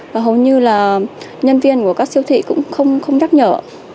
và hầu như là nhân viên của các siêu thị cũng không nhắc nhở